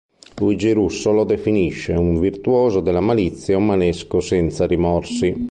Luigi Russo lo definisce "un virtuoso della malizia e un manesco senza rimorsi".